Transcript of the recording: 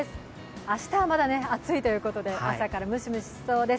明日はまだ暑いということで朝からムシムシしそうです。